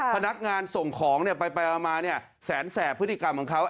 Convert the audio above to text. ค่ะพนักงานส่งของเนี่ยไปมาเนี่ยแสนแสบพฤติกรรมของเขา